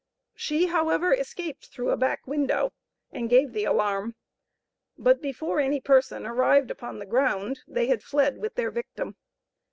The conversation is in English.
She, however, escaped through a back window, and gave the alarm; but before any person arrived upon the ground, they had fled with their victim.